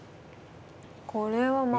これはまた。